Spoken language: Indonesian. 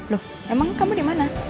loh emang kamu dimana